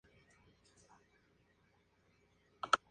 Su vida se encuentra registrada en la "saga Orkneyinga".